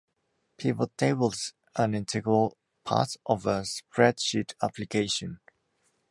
Pivot tables are an integral part of a spreadsheet application.